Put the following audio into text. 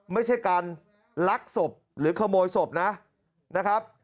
ไม่ใช่การลักศพหรือขโมยศพนะครับ